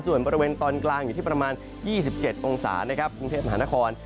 ส่วนบริเวณตอนกลางอยู่ที่ประมาณ๒๗องศานะครับกรุงเทพมหานคร